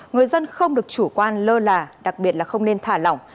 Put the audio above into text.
người dân không được chủ quan lơ là đặc biệt là không nên thả lỏng